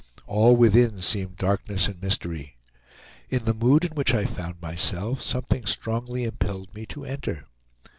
All within seemed darkness and mystery. In the mood in which I found myself something strongly impelled me to enter.